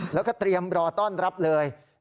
แล้วก็เตรียมรอต้อนรับเลย